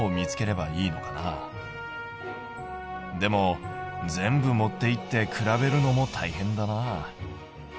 でも全部持っていって比べるのもたいへんだな。